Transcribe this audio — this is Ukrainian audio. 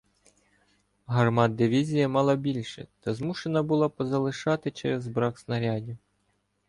Гармат дивізія мала більше, та змушена була позалишати через брак снарядів.